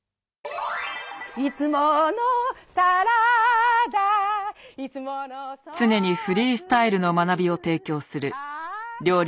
いつものサラダ常にフリースタイルの学びを提供する料理